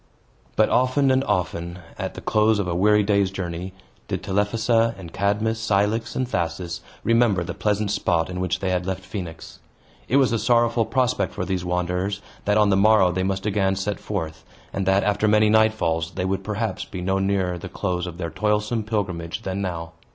But often and often, at the close of a weary day's journey, did Telephassa and Cadmus, Cilix, and Thasus, remember the pleasant spot in which they had left Phoenix. It was a sorrowful prospect for these wanderers, that on the morrow they must again set forth, and that, after many nightfalls, they would perhaps be no nearer the close of their toilsome pilgrimage than now.